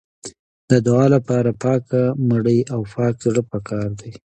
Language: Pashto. د دعا لپاره پاکه مړۍ او پاک زړه پکار دی.